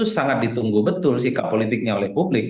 sangat ditunggu betul sikap politiknya oleh publik